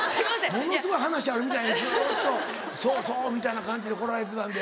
ものすごい話あるみたいにずっとそうそうみたいな感じで来られてたんで。